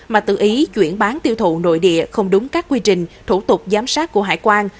mà tự ý chuyển bán tiêu thụ nội địa không đúng các quy trình thủ tục giám sát của hải quan